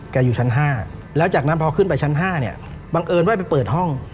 อยู่ชั้น๕แล้วจากนั้นพอขึ้นไปชั้น๕เนี่ยบังเอิญว่าไปเปิดห้อง